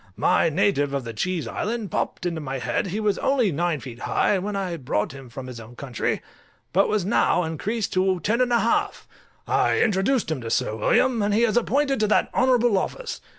My native of the Cheese Island popped into my head; he was only nine feet high when I first brought him from his own country, but was now increased to ten and a half: I introduced him to Sir William, and he is appointed to that honourable office.